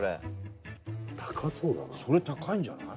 それ高いんじゃない？